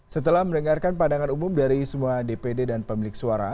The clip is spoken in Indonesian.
setelah mendengarkan pandangan umum dari semua dpd dan pemilik suara